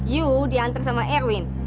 yuk diantar sama erwin